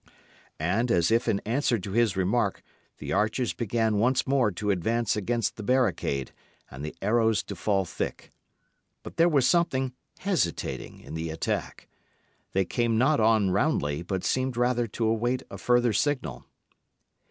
And, as if in answer to his remark, the archers began once more to advance against the barricade, and the arrows to fall thick. But there was something hesitating in the attack. They came not on roundly, but seemed rather to await a further signal.